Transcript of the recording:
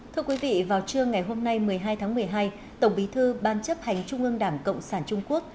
thưa quý vị vào trưa ngày hôm nay một mươi hai tháng một mươi hai tổng bí thư ban chấp hành trung ương đảng cộng sản trung quốc